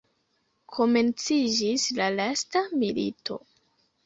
Komenciĝis la lasta milito.